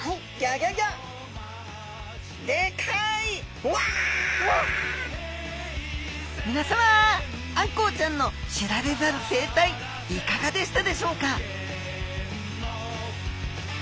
あんこうちゃんの知られざる生態いかがでしたでしょうか？